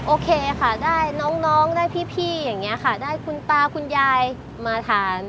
โอเคค่ะได้น้องได้พี่อย่างนี้ค่ะได้คุณตาคุณยายมาทาน